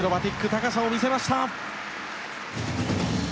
高さを見せました。